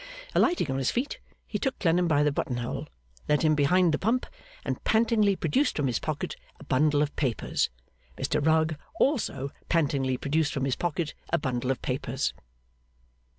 Alighting on his feet, he took Clennam by the button hole, led him behind the pump, and pantingly produced from his pocket a bundle of papers. Mr Rugg, also, pantingly produced from his pocket a bundle of papers.